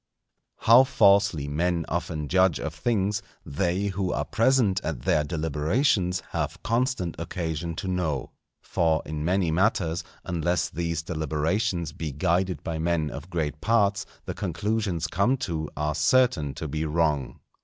_ How falsely men often judge of things, they who are present at their deliberations have constant occasion to know. For in many matters, unless these deliberations be guided by men of great parts, the conclusions come to are certain to be wrong.